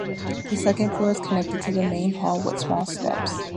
The second floor is connected to the main hall with small steps.